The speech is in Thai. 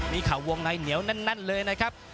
มีข่าววงในเหนียวแน่นเลยนะครับ